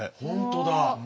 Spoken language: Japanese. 本当だ。